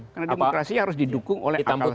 karena demokrasi harus didukung oleh akal sehat